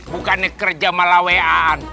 bukannya kerja malawean